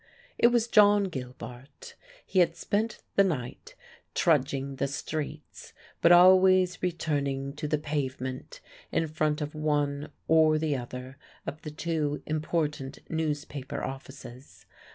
It was John Gilbart. He had spent the night trudging the streets, but always returning to the pavement in front of one or the other of the two important newspaper offices.